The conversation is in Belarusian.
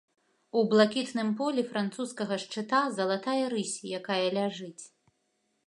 У блакітным полі французскага шчыта залатая рысь, якая ляжыць.